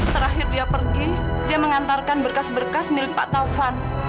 terakhir dia pergi dia mengantarkan berkas berkas milik pak taufan